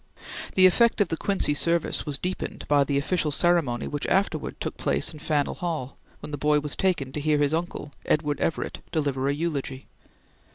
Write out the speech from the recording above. The effect of the Quincy service was deepened by the official ceremony which afterwards took place in Faneuil Hall, when the boy was taken to hear his uncle, Edward Everett, deliver a Eulogy.